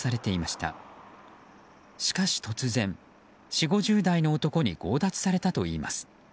しかし突然、４０５０代の男に強奪されたといいます。